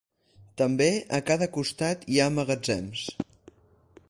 També a cada costat hi ha magatzems.